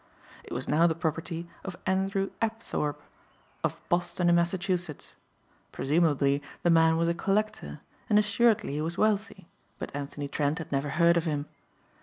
It was now the property of Andrew Apthorpe, of Boston in Massachusetts. Presumably the man was a collector, and assuredly he was wealthy, but Anthony Trent had never heard of him.